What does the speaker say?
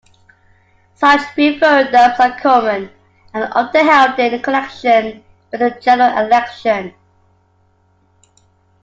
Such referendums are common, and often held in connection with a general election.